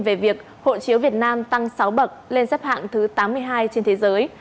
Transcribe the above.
về việc hộ chiếu việt nam tăng sáu bậc lên xếp hạng thứ tám mươi hai trên thế giới